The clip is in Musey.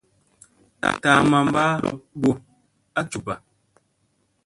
Taa mamma lob mɓo a jup pa.